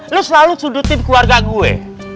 lo selalu sudutin keluarga gue